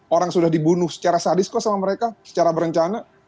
orang sudah dibunuh secara sadis kok sama mereka secara berencana